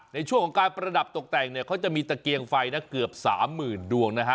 ในช่วงของการประดับตกแต่งเนี่ยเขาจะมีตะเกียงไฟนะเกือบ๓๐๐๐ดวงนะฮะ